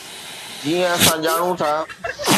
جيئن اسان ڄاڻون ٿا.